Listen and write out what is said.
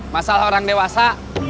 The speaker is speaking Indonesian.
masalah orang dewasa